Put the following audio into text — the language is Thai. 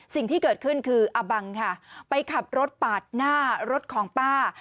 สิ่งที่เกิดขึ้นคืออบังค่ะไปขับรถปาดหน้ารถของป้า